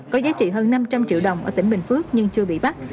có giá trị hơn năm trăm linh triệu đồng ở tỉnh bình phước nhưng chưa bị bắt